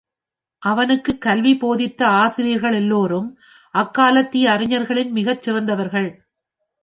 அவனுக்குக் கல்வி போதித்த ஆசிரியர்களெல்லோரும் அக்காலத்திய அறிஞர்களில் மிகச் சிறந்தவர்கள்.